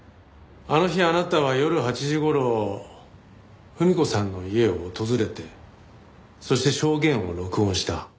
あの日あなたは夜８時頃文子さんの家を訪れてそして証言を録音した。